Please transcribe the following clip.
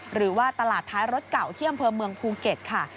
หรือว่าตลาดท้ายรถเก่าที่อำเภอเมืองภูเก็ตค่ะ